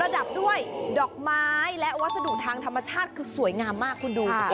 ดับด้วยดอกไม้และวัสดุทางธรรมชาติคือสวยงามมากคุณดู